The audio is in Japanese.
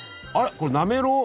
これなめろう！？